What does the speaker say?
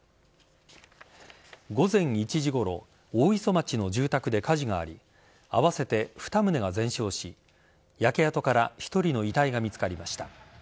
午前１時ごろ大磯町の住宅で火事があり合わせて２棟が全焼し焼け跡から１人の遺体が見つかりました。